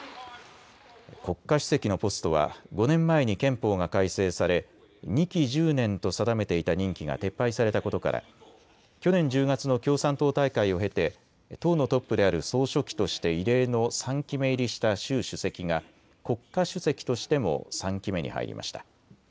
国家主席のポストは５年前に憲法が改正され２期１０年と定めていた任期が撤廃されたことから去年１０月の共産党大会を経て党のトップである総書記として異例の３期目入りした習主席が国家主席としても３期目に入りました。